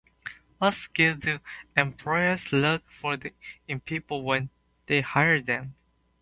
What skills do employers look for in people when they hire them?